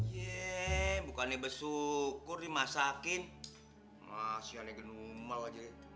yee bukannya bersyukur dimasakin masih aneh genumal aja